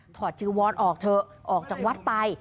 จีวอนออกเถอะออกจากวัดไป